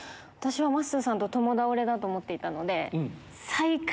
私はまっすーさんと共倒れだと思っていたので。